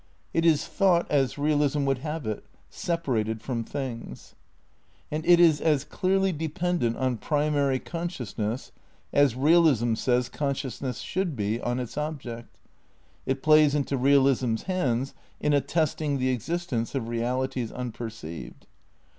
It is thought as realism would have it, separated from things. And it is as clearly dependent on primary conscious ness as realism says consciousness should be on its object. It plays into realism's hands in attesting the existence of realities unperceived.